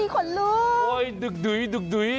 ขนลึก